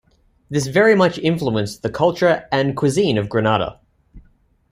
This very much influenced the culture and cuisine of Grenada.